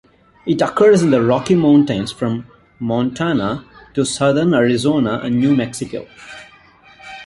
It occurs in the Rocky Mountains from Montana to southern Arizona and New Mexico.